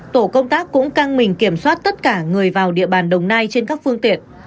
tổ công tác cũng căng mình kiểm soát tất cả người vào địa bàn đồng nai trên các phương tiện